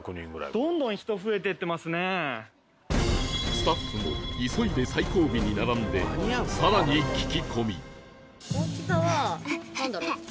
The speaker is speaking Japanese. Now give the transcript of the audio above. スタッフも急いで最後尾に並んで更に聞き込み